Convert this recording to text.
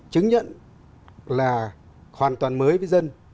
chứng nhận là hoàn toàn mới với dân